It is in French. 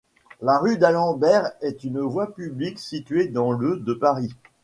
La rue d’Alembert est une voie publique située dans le de Paris.